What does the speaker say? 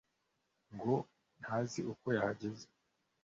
ngo ntazi uko yahageze